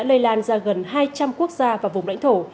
lây lan ra gần hai trăm linh quốc gia và vùng lãnh thổ